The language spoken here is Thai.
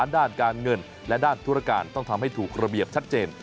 ด้านการเงินและด้านธุรการต้องทำให้ถูกระเบียบชัดเจน